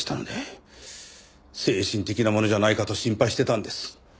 精神的なものじゃないかと心配してたんです。